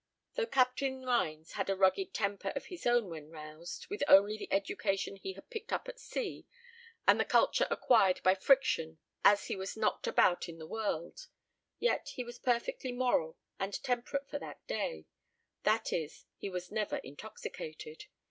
Though Captain Rhines had a rugged temper of his own when roused, with only the education he had picked up at sea, and the culture acquired by friction as he was knocked about in the world, yet he was perfectly moral, and temperate for that day; that is, he was never intoxicated.